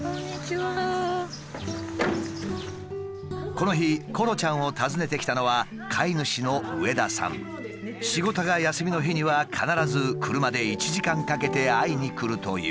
この日コロちゃんを訪ねてきたのは仕事が休みの日には必ず車で１時間かけて会いに来るという。